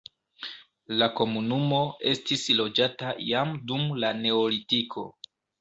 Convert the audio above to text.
La komunumo estis loĝata jam dum la neolitiko.